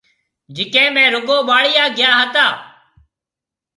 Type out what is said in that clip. جڪَي ۾ رُگو ٻاليان گيا ھتا۔